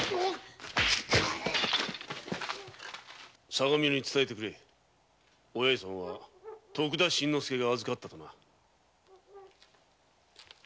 相模屋に伝えてくれお八重さんは徳田新之助が預かったとな。